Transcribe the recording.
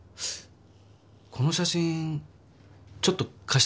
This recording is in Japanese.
この写真ちょっと貸してくれます？